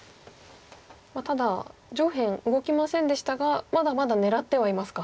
ただ上辺動きませんでしたがまだまだ狙ってはいますか。